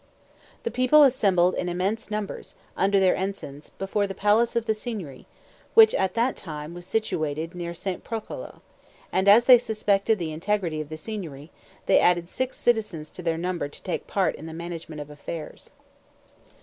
The people assembled in immense numbers, under their ensigns, before the palace of the Signory, which at that time was situated near St. Procolo; and, as they suspected the integrity of the Signory, they added six citizens to their number to take part in the management of affairs.